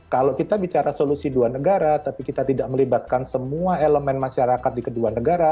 kalau kita bicara solusi dua negara tapi kita tidak melibatkan semua elemen masyarakat di kedua negara